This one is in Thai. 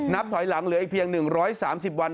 ถอยหลังเหลืออีกเพียง๑๓๐วัน